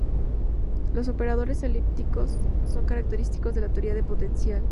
Los operadores elípticos son característico de la teoría de potencial.